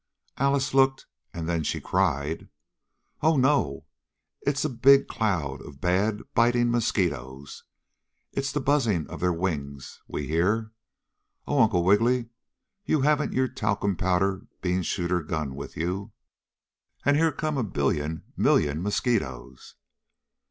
Alice looked, and then she cried: "Oh, no! It's a big cloud of bad, biting mosquitoes. It is the buzzing of their wings we hear! Oh, Uncle Wiggily, you haven't your talcum powder bean shooter gun with you, and here come a billion million mosquitoes!"